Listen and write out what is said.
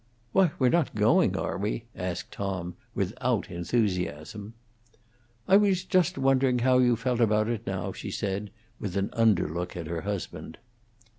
"Why, we're not going, are we?" asked Tom, without enthusiasm. "I was just wondering how you felt about it, now," she said, with an underlook at her husband.